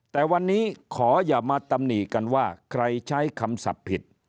แต่วันนี้ขออย่ามาตำหนิกันว่าใครใช้คำศัพท์ผิด